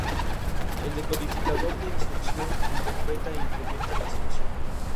Igualmente ha sido diputado autonómico y senador.